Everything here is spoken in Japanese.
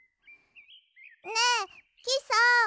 ねえきさん